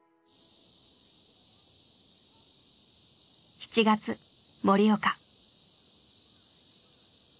７月盛岡。